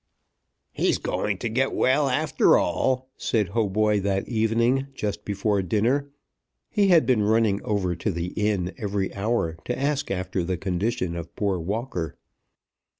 "He's going to get well after all," said Hautboy that evening, just before dinner. He had been running over to the inn every hour to ask after the condition of poor Walker.